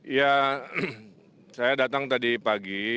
ya saya datang tadi pagi